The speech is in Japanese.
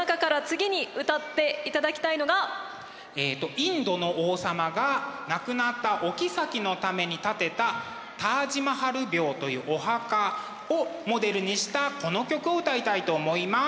インドの王様が亡くなったおきさきのために建てたタージ・マハル廟というお墓をモデルにしたこの曲を歌いたいと思います。